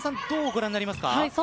どうご覧になりますか？